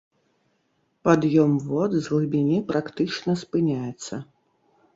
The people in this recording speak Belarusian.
Пад'ём вод з глыбіні практычна спыняецца.